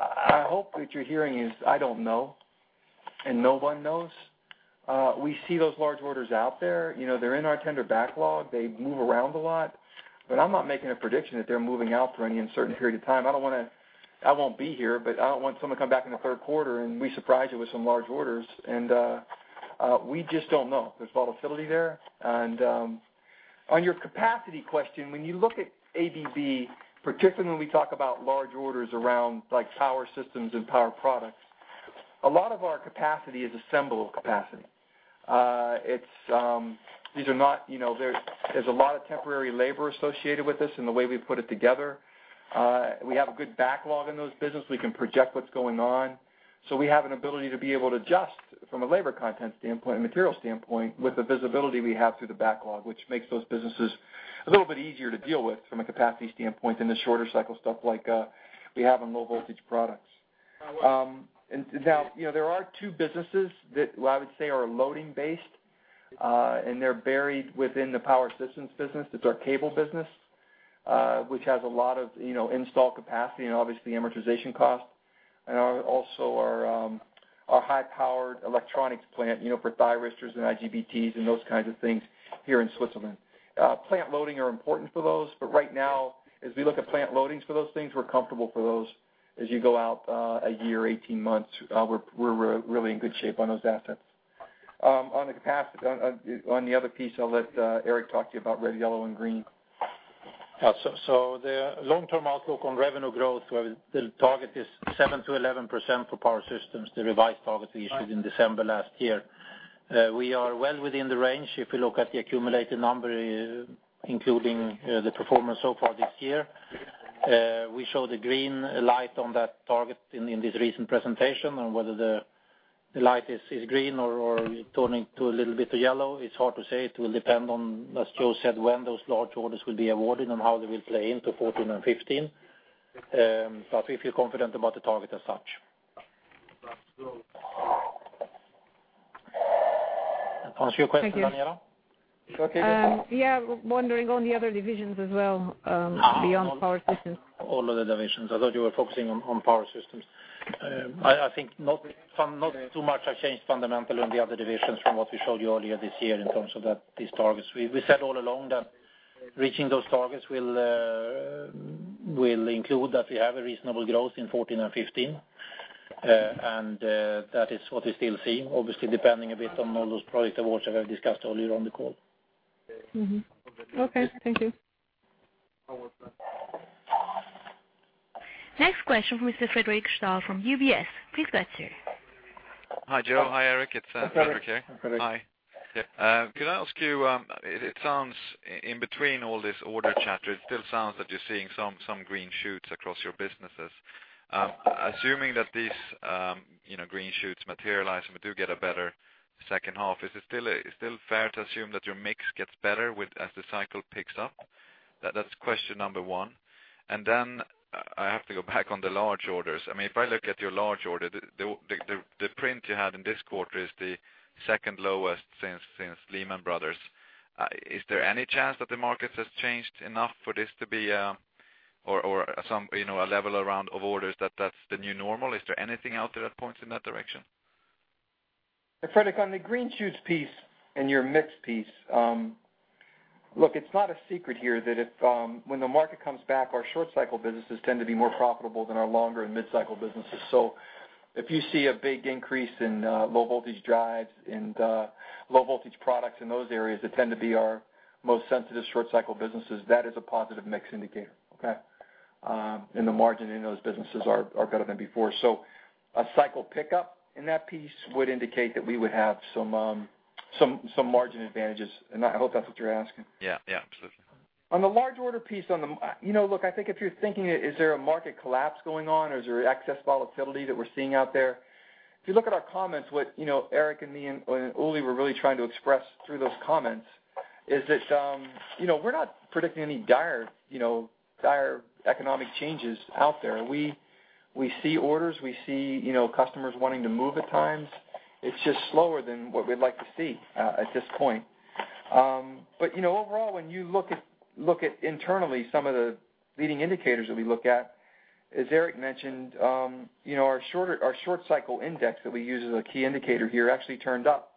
I hope what you're hearing is, I don't know, and no one knows. We see those large orders out there. They're in our tender backlog. They move around a lot. I'm not making a prediction that they're moving out for any uncertain period of time. I won't be here, but I don't want someone to come back in the third quarter, and we surprise you with some large orders. We just don't know. There's volatility there. On your capacity question, when you look at ABB, particularly when we talk about large orders around Power Systems and Power Products, a lot of our capacity is assemble capacity. There's a lot of temporary labor associated with this and the way we put it together. We have a good backlog in those business. We can project what's going on. We have an ability to be able to adjust from a labor content standpoint and material standpoint with the visibility we have through the backlog, which makes those businesses a little bit easier to deal with from a capacity standpoint than the shorter cycle stuff like we have on Low Voltage Products. There are two businesses that I would say are loading based, and they're buried within the Power Systems business. It's our cable business, which has a lot of install capacity and obviously amortization cost. Also our high-powered electronics plant for thyristors and IGBTs and those kinds of things here in Switzerland. Plant loading are important for those. Right now, as we look at plant loadings for those things, we're comfortable for those. As you go out a year, 18 months, we're really in good shape on those assets. On the other piece, I'll let Eric talk to you about red, yellow, and green. The long-term outlook on revenue growth, where the target is 7%-11% for Power Systems, the revised target we issued in December last year. We are well within the range. If we look at the accumulated number, including the performance so far this year, we show the green light on that target in this recent presentation on whether the light is green or turning to a little bit to yellow. It's hard to say. It will depend on, as Joe said, when those large orders will be awarded and how they will play into 2014 and 2015. We feel confident about the target as such. That's good. Does that answer your question, Daniela? Thank you. Okay, good. Yeah, wondering on the other divisions as well, beyond Power Systems. All of the divisions. I thought you were focusing on Power Systems. I think not too much have changed fundamentally on the other divisions from what we showed you earlier this year in terms of these targets. We said all along that reaching those targets will include that we have a reasonable growth in 2014 and 2015, and that is what we still see, obviously depending a bit on all those project awards that I've discussed earlier on the call. Mm-hmm. Okay. Thank you. Next question from Mr. Fredric Stahl from UBS. Please go ahead, sir. Hi, Joe. Hi, Eric. It's Fredric here. Hi, Fredric. Hi. Could I ask you, it sounds in between all this order chatter, it still sounds that you're seeing some green shoots across your businesses. Assuming that these green shoots materialize and we do get a better second half, is it still fair to assume that your mix gets better as the cycle picks up? That's question number one. Then I have to go back on the large orders. If I look at your large order, the print you had in this quarter is the second lowest since Lehman Brothers. Is there any chance that the market has changed enough for this to be, or a level around of orders that's the new normal? Is there anything out there that points in that direction? Fredric, on the green shoots piece and your mix piece, look, it's not a secret here that when the market comes back, our short cycle businesses tend to be more profitable than our longer and mid-cycle businesses. If you see a big increase in low-voltage drives and low-voltage products in those areas, that tend to be our most sensitive short cycle businesses, that is a positive mix indicator, okay? The margin in those businesses are better than before. A cycle pickup in that piece would indicate that we would have some margin advantages. I hope that's what you're asking. Yeah, absolutely. On the large order piece, look, I think if you're thinking, is there a market collapse going on, or is there excess volatility that we're seeing out there? If you look at our comments, what Eric and me and Uli were really trying to express through those comments is that we're not predicting any dire economic changes out there. We see orders, we see customers wanting to move at times. It's just slower than what we'd like to see at this point. Overall, when you look at internally some of the leading indicators that we look at, as Eric mentioned, our short cycle index that we use as a key indicator here actually turned up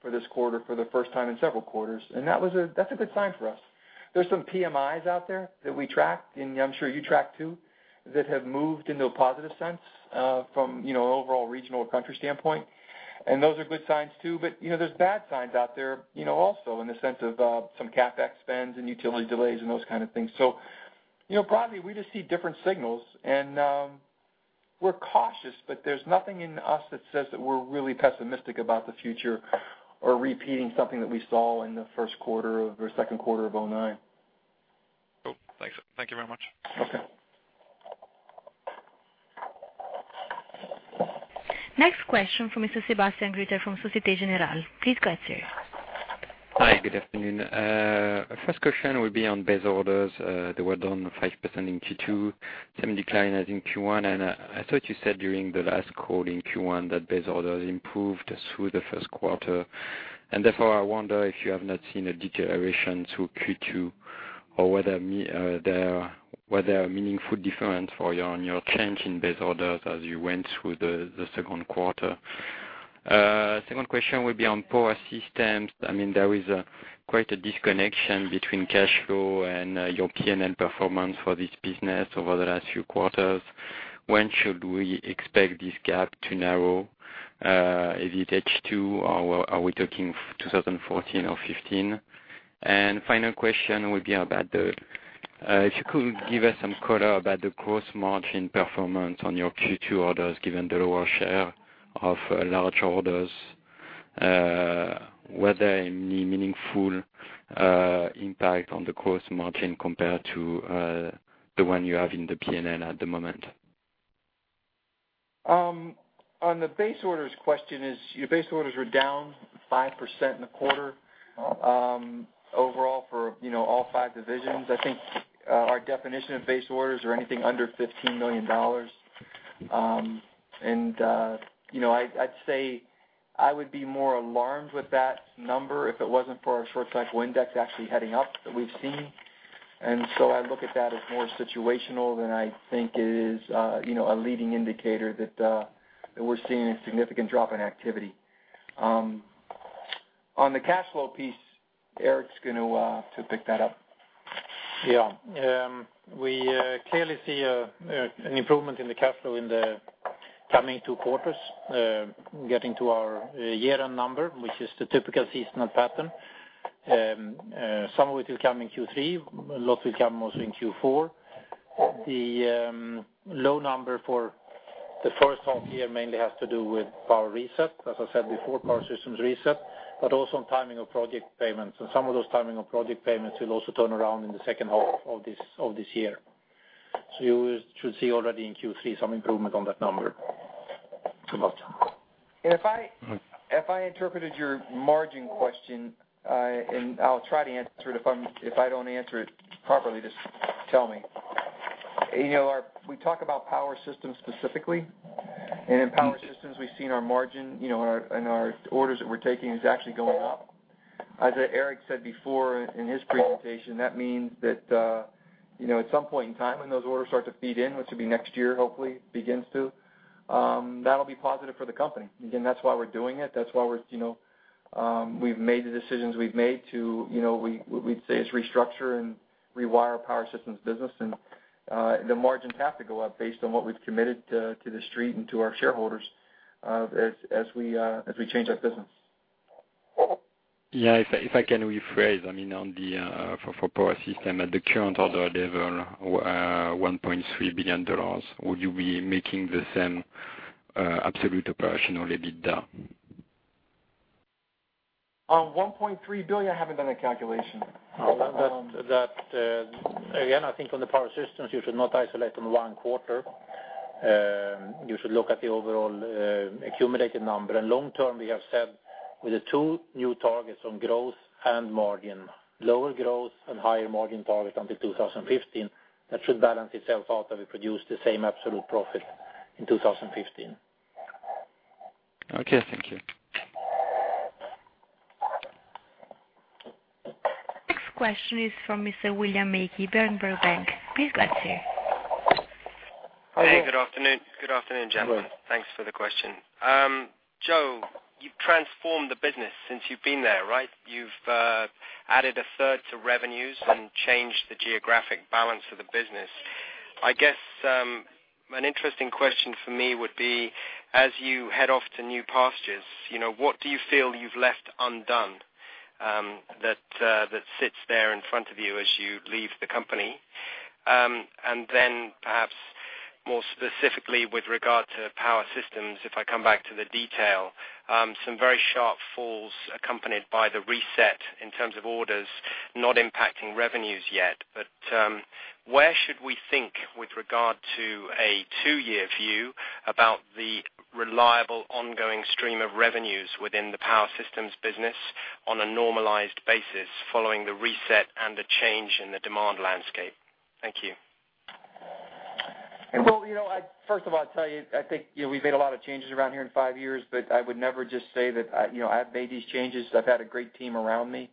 for this quarter for the first time in several quarters. That's a good sign for us. There's some PMIs out there that we track, and I'm sure you track, too, that have moved into a positive sense from an overall regional or country standpoint. Those are good signs, too. There's bad signs out there also in the sense of some CapEx spends and utility delays and those kind of things. Broadly, we just see different signals, and we're cautious, but there's nothing in us that says that we're really pessimistic about the future or repeating something that we saw in the first quarter or second quarter of 2009. Cool. Thanks. Thank you very much. Okay. Next question from Mr. Sebastien Gruter from Société Générale. Please go ahead, sir. Hi. Good afternoon. First question will be on base orders. They were down 5% in Q2, same decline as in Q1. I thought you said during the last call in Q1 that base orders improved through the first quarter. I wonder if you have not seen a deterioration through Q2 or were there meaningful difference on your change in base orders as you went through the second quarter? Second question will be on Power Systems. There is quite a disconnection between cash flow and your P&L performance for this business over the last few quarters. When should we expect this gap to narrow? Is it H2, or are we talking 2014 or 2015? Final question will be if you could give us some color about the gross margin performance on your Q2 orders, given the lower share of large orders, were there any meaningful impact on the gross margin compared to the one you have in the P&L at the moment? On the base orders question is, your base orders were down 5% in the quarter overall for all five divisions. I think our definition of base orders are anything under $15 million. I'd say I would be more alarmed with that number if it wasn't for our short-cycle index actually heading up that we've seen. I look at that as more situational than I think it is a leading indicator that we're seeing a significant drop in activity. On the cash flow piece, Eric's going to pick that up. Yeah. We clearly see an improvement in the cash flow in the coming two quarters, getting to our year-end number, which is the typical seasonal pattern. Some of it will come in Q3, a lot will come mostly in Q4. The low number for the first half of the year mainly has to do with power reset, as I said before, Power Systems reset, but also on timing of project payments. Some of those timing of project payments will also turn around in the second half of this year. You should see already in Q3 some improvement on that number. If I interpreted your margin question. I'll try to answer it. If I don't answer it properly, just tell me. We talk about Power Systems specifically, and in Power Systems, we've seen our margin and our orders that we're taking is actually going up. As Eric said before in his presentation, that means that at some point in time when those orders start to feed in, which will be next year, hopefully, that'll be positive for the company. Again, that's why we're doing it. That's why we've made the decisions we've made to, we'd say, restructure and rewire our Power Systems business, and the margins have to go up based on what we've committed to The Street and to our shareholders as we change our business. If I can rephrase, for Power Systems, at the current order level, $1.3 billion, would you be making the same absolute Operational EBITDA? On $1.3 billion, I haven't done a calculation. Again, I think on the Power Systems, you should not isolate on one quarter. You should look at the overall accumulated number. Long term, we have said with the two new targets on growth and margin, lower growth and higher margin target until 2015, that should balance itself out that we produce the same absolute profit in 2015. Okay, thank you. Next question is from Mr. William Mackie, Berenberg Bank. Please go ahead, sir. Hey, good afternoon, gentlemen. Thanks for the question. Joe, you've transformed the business since you've been there, right? You've added a third to revenues and changed the geographic balance of the business. I guess an interesting question for me would be, as you head off to new pastures, what do you feel you've left undone that sits there in front of you as you leave the company? Then perhaps more specifically with regard to Power Systems, if I come back to the detail, some very sharp falls accompanied by the reset in terms of orders not impacting revenues yet. Where should we think with regard to a two-year view about the reliable ongoing stream of revenues within the Power Systems business on a normalized basis following the reset and the change in the demand landscape? Thank you. First of all, I'd tell you, I think we've made a lot of changes around here in five years, but I would never just say that I've made these changes. I've had a great team around me.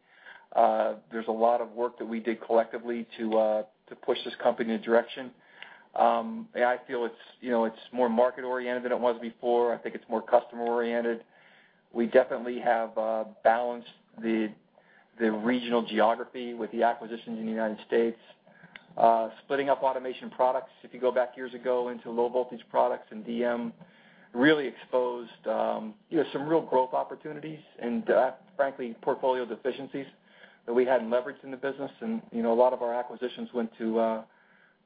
There's a lot of work that we did collectively to push this company in a direction. I feel it's more market-oriented than it was before. I think it's more customer-oriented. We definitely have balanced the regional geography with the acquisitions in the United States. Splitting up automation products, if you go back years ago into Low Voltage Products and DM, really exposed some real growth opportunities, and frankly, portfolio deficiencies that we hadn't leveraged in the business, and a lot of our acquisitions went to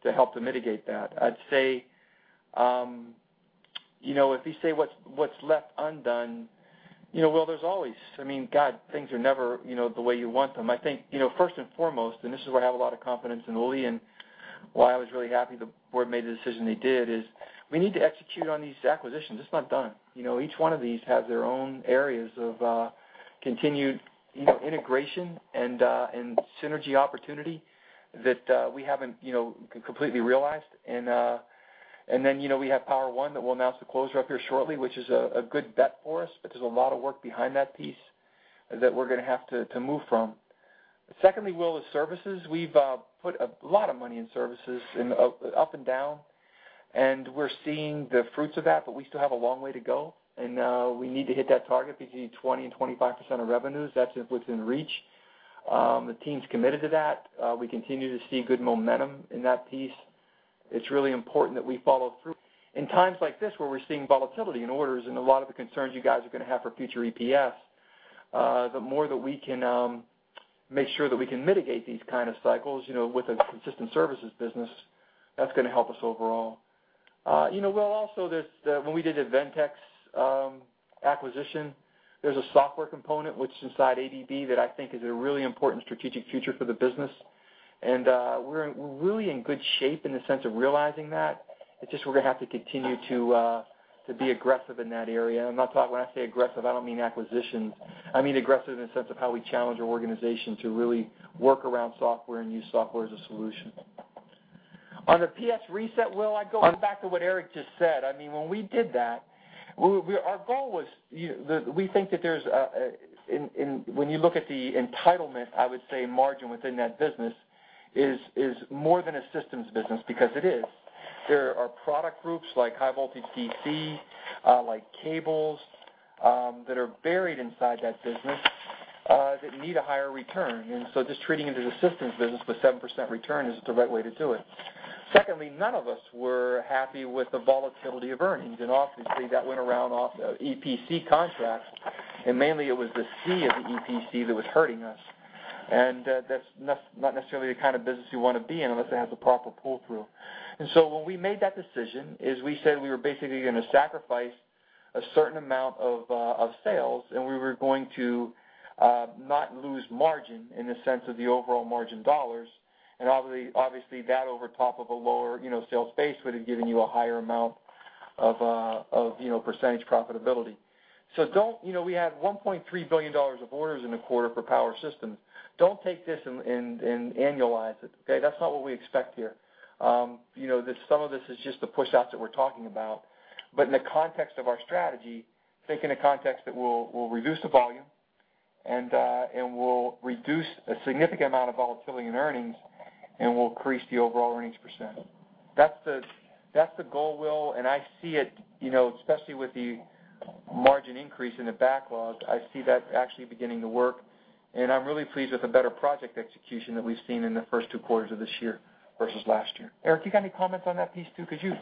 help to mitigate that. I'd say, if you say what's left undone, well, there's always. God, things are never the way you want them. I think, first and foremost, and this is where I have a lot of confidence in Uli and why I was really happy the board made the decision they did, is we need to execute on these acquisitions. It's not done. Each one of these have their own areas of continued integration and synergy opportunity that we haven't completely realized. Then we have Power-One that we'll announce the closure of here shortly, which is a good bet for us, but there's a lot of work behind that piece that we're going to have to move from. Secondly, Will, is services. We've put a lot of money in services up and down. We're seeing the fruits of that, but we still have a long way to go. We need to hit that target between 20%-25% of revenues. That's within reach. The team's committed to that. We continue to see good momentum in that piece. It's really important that we follow through. In times like this, where we're seeing volatility in orders and a lot of the concerns you guys are going to have for future EPS, the more that we can make sure that we can mitigate these kind of cycles with a consistent services business, that's going to help us overall. When we did the Ventyx acquisition, there's a software component, which is inside ABB, that I think is a really important strategic future for the business. We're really in good shape in the sense of realizing that. It's just we're going to have to continue to be aggressive in that area. When I say aggressive, I don't mean acquisitions. I mean aggressive in the sense of how we challenge our organization to really work around software and use software as a solution. On the PS reset, Will, I go back to what Eric just said. When we did that, our goal was, we think that when you look at the entitlement, I would say margin within that business is more than a systems business, because it is. There are product groups like high voltage DC, like cables, that are buried inside that business that need a higher return. Just treating it as a systems business with 7% return isn't the right way to do it. Secondly, none of us were happy with the volatility of earnings. Obviously, that went around off the EPC contract. Mainly it was the C of the EPC that was hurting us. That's not necessarily the kind of business you want to be in unless it has the proper pull-through. When we made that decision, is we said we were basically going to sacrifice a certain amount of sales. We were going to not lose margin in the sense of the overall margin dollars. Obviously that over top of a lower sales base would have given you a higher amount of percentage profitability. We had $1.3 billion of orders in the quarter for Power Systems. Don't take this and annualize it, okay? That's not what we expect here. Some of this is just the pushouts that we're talking about. In the context of our strategy, think in a context that we'll reduce the volume and we'll reduce a significant amount of volatility in earnings, and we'll increase the overall earnings %. That's the goal, Will, I see it, especially with the margin increase in the backlogs. I see that actually beginning to work, I'm really pleased with the better project execution that we've seen in the first two quarters of this year versus last year. Eric, you got any comments on that piece, too? Because you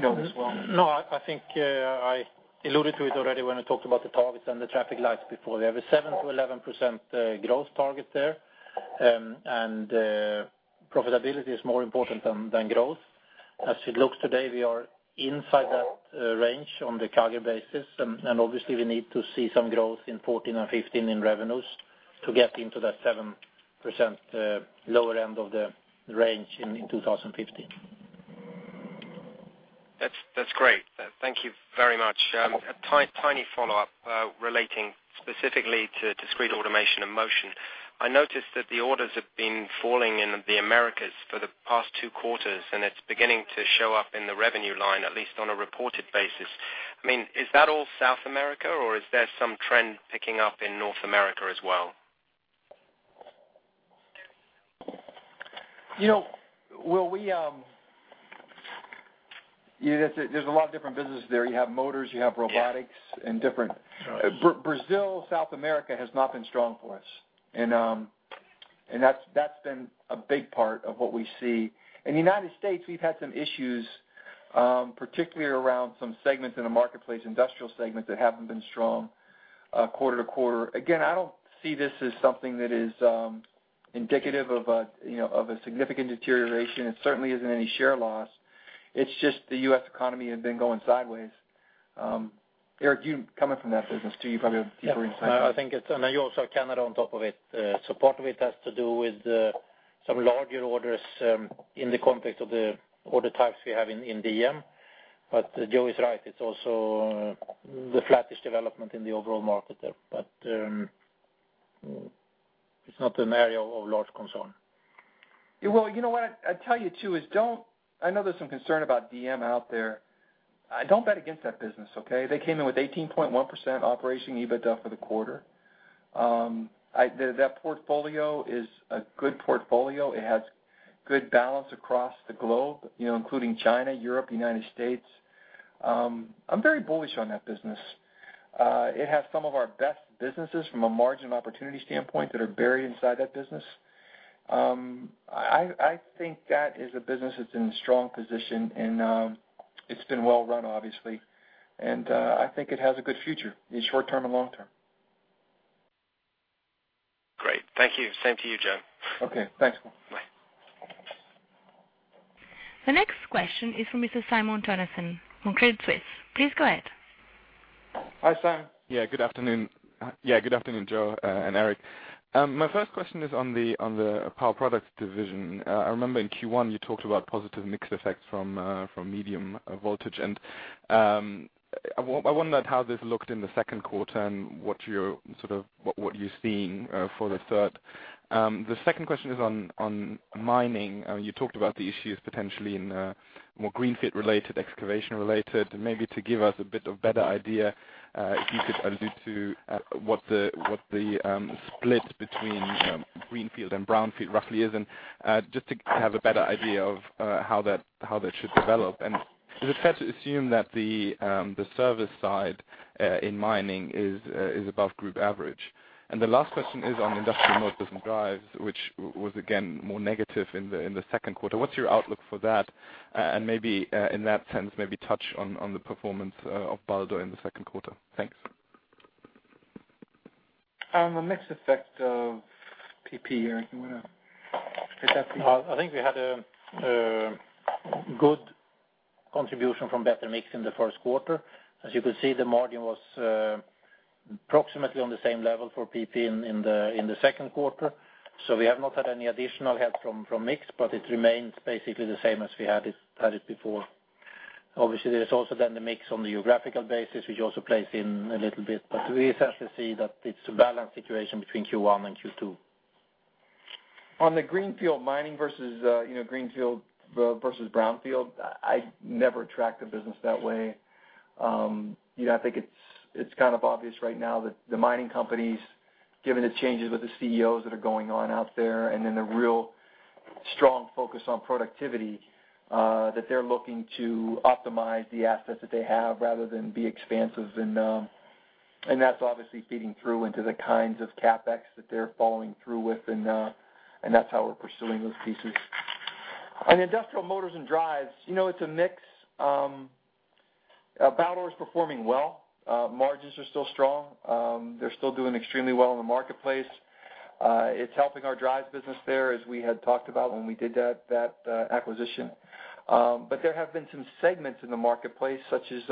know this well. I think I alluded to it already when I talked about the targets and the traffic lights before. We have a 7%-11% growth target there. Profitability is more important than growth. As it looks today, we are inside that range on the CAGR basis. Obviously, we need to see some growth in 2014 and 2015 in revenues to get into that 7% lower end of the range in 2015. That's great. Thank you very much. A tiny follow-up relating specifically to discrete automation and motion. I noticed that the orders have been falling in the Americas for the past two quarters. It's beginning to show up in the revenue line, at least on a reported basis. Is that all South America, is there some trend picking up in North America as well? Will, there's a lot of different businesses there. You have motors, you have robotics and different. Yes. Brazil, South America has not been strong for us. That's been a big part of what we see. In the U.S., we've had some issues, particularly around some segments in the marketplace, industrial segments, that haven't been strong quarter-to-quarter. Again, I don't see this as something that is indicative of a significant deterioration. It certainly isn't any share loss. It's just the U.S. economy has been going sideways. Eric, you coming from that business too, you probably have deeper insight. Yeah. You also have Canada on top of it. Part of it has to do with some larger orders in the context of the order types we have in DM. Joe is right, it's also the flattest development in the overall market there. It's not an area of large concern. Will, you know what, I'd tell you, too, I know there's some concern about DM out there. Don't bet against that business, okay? They came in with 18.1% Operational EBITDA for the quarter. That portfolio is a good portfolio. It has good balance across the globe including China, Europe, U.S. I'm very bullish on that business. It has some of our best businesses from a margin opportunity standpoint that are buried inside that business. I think that is a business that's in a strong position. It's been well run, obviously. I think it has a good future in short-term and long-term. Great. Thank you. Same to you, Joe. Okay, thanks. Bye. The next question is from Mr. Simon Toennessen from Credit Suisse. Please go ahead. Hi. Yeah, good afternoon, Joe and Eric. My first question is on the Power Products division. I remember in Q1 you talked about positive mix effects from medium voltage, and I wondered how this looked in the second quarter and what you're seeing for the third. The second question is on mining. You talked about the issues potentially in more greenfield related, excavation related, maybe to give us a bit of better idea, if you could allude to what the split between greenfield and brownfield roughly is and just to have a better idea of how that should develop. Is it fair to assume that the service side in mining is above group average? The last question is on industrial motors and drives, which was again more negative in the second quarter. What's your outlook for that? Maybe in that sense, maybe touch on the performance of Baldor in the second quarter. Thanks. On the mix effect of PP, Eric, you want to take that piece? I think we had a good contribution from better mix in the first quarter. As you could see, the margin was approximately on the same level for PP in the second quarter. We have not had any additional help from mix, but it remains basically the same as we had it before. Obviously, there's also then the mix on the geographical basis, which also plays in a little bit. We essentially see that it's a balanced situation between Q1 and Q2. On the greenfield mining versus brownfield, I never tracked the business that way. I think it's kind of obvious right now that the mining companies, given the changes with the CEOs that are going on out there, then the real strong focus on productivity, that they're looking to optimize the assets that they have rather than be expansive. That's obviously feeding through into the kinds of CapEx that they're following through with, and that's how we're pursuing those pieces. On industrial motors and drives, it's a mix. Baldor is performing well. Margins are still strong. They're still doing extremely well in the marketplace. It's helping our drives business there, as we had talked about when we did that acquisition. There have been some segments in the marketplace, such as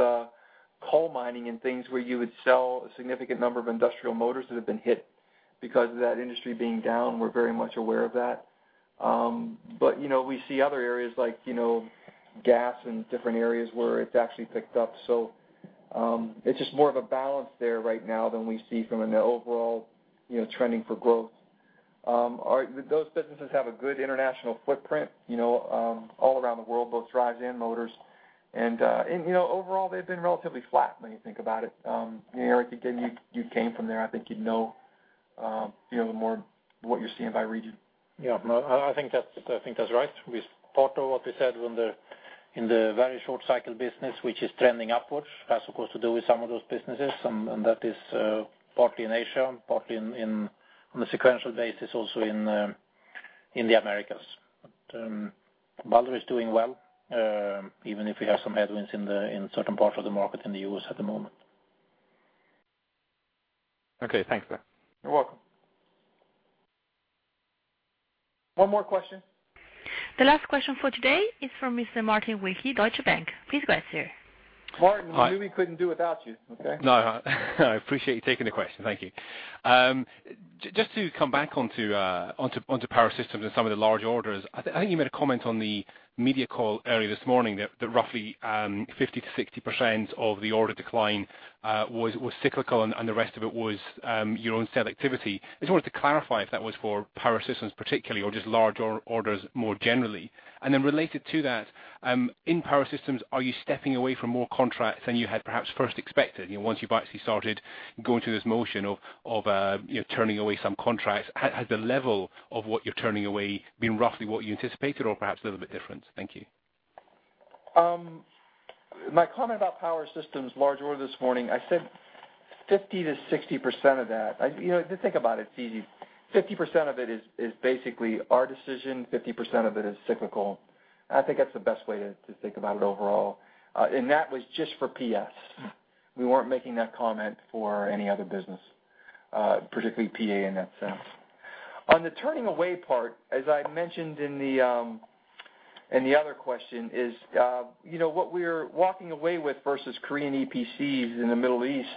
coal mining and things where you would sell a significant number of industrial motors that have been hit because of that industry being down. We're very much aware of that. We see other areas like gas and different areas where it's actually picked up. It's just more of a balance there right now than we see from an overall trending for growth. Those businesses have a good international footprint, all around the world, both drives and motors. Overall, they've been relatively flat when you think about it. Eric, again, you came from there. I think you'd know more what you're seeing by region. Yeah. No, I think that's right. Part of what we said in the very short cycle business, which is trending upwards, has, of course, to do with some of those businesses, and that is partly in Asia, partly on a sequential basis also in the Americas. Baldor is doing well, even if we have some headwinds in certain parts of the market in the U.S. at the moment. Okay, thanks. You're welcome. One more question. The last question for today is from Mr. Martin Wilkie, Deutsche Bank. Please go ahead, sir. Martin- Hi. -we knew we couldn't do without you, okay? I appreciate you taking the question. Thank you. Just to come back onto Power Systems and some of the large orders, I think you made a comment on the media call earlier this morning that roughly 50% to 60% of the order decline was cyclical and the rest of it was your own selectivity. I just wanted to clarify if that was for Power Systems particularly or just large orders more generally. Related to that, in Power Systems, are you stepping away from more contracts than you had perhaps first expected? Once you've actually started going through this motion of turning away some contracts, has the level of what you're turning away been roughly what you anticipated or perhaps a little bit different? Thank you. My comment about Power Systems large order this morning, I said 50% to 60% of that. To think about it's easy. 50% of it is basically our decision, 50% of it is cyclical. I think that's the best way to think about it overall. That was just for PS. We weren't making that comment for any other business, particularly PA in that sense. On the turning away part, as I mentioned in the other question, is what we're walking away with versus Korean EPCs in the Middle East,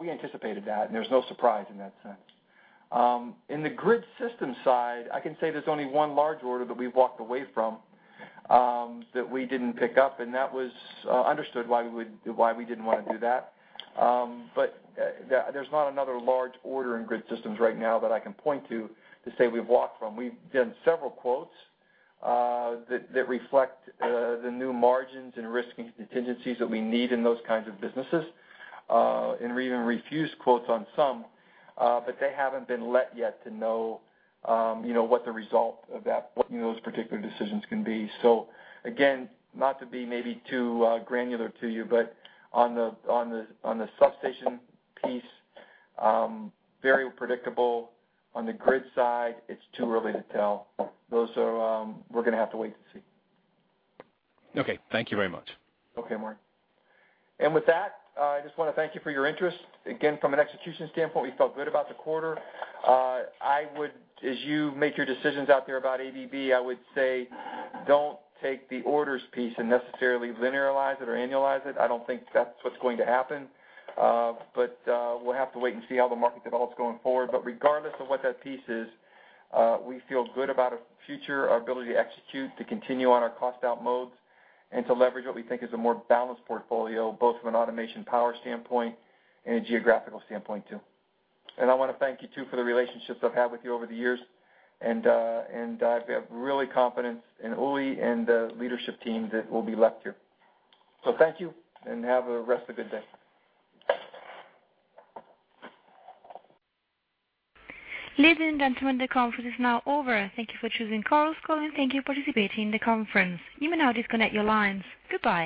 we anticipated that, and there's no surprise in that sense. In the grid system side, I can say there's only one large order that we've walked away from that we didn't pick up, and that was understood why we didn't want to do that. There's not another large order in grid systems right now that I can point to say we've walked from. We've done several quotes that reflect the new margins and risk contingencies that we need in those kinds of businesses, we even refused quotes on some, they haven't been let yet to know what the result of that, what those particular decisions can be. Again, not to be maybe too granular to you, on the substation piece, very predictable. On the grid side, it's too early to tell. Those, we're going to have to wait to see. Okay. Thank you very much. Okay, Martin. With that, I just want to thank you for your interest. Again, from an execution standpoint, we felt good about the quarter. As you make your decisions out there about ABB, I would say don't take the orders piece and necessarily linearize it or annualize it. I don't think that's what's going to happen. We'll have to wait and see how the market develops going forward. Regardless of what that piece is, we feel good about our future, our ability to execute, to continue on our cost-out modes, and to leverage what we think is a more balanced portfolio, both from an automation power standpoint and a geographical standpoint, too. I want to thank you, too, for the relationships I've had with you over the years, and I have real confidence in Ulrich and the leadership team that will be left here. Thank you, and have a rest a good day. Ladies and gentlemen, the conference is now over. Thank you for choosing Chorus Call, and thank you for participating in the conference. You may now disconnect your lines. Goodbye